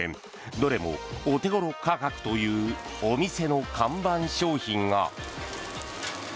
どれもお手頃価格というお店の看板商品が。